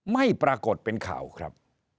ไม่ปรากฏเป็นข่าวครับ